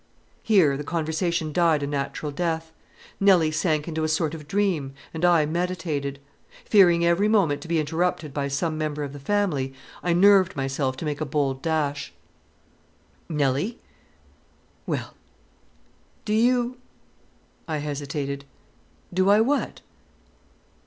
Here the conversation died a natural death. Nelly sank into a sort of dream, and I meditated. Fearing every moment to be interrupted by some member of the family, I nerved myself to make a bold dash. "Nelly." "Well." "Do you " I hesitated. "Do I what?"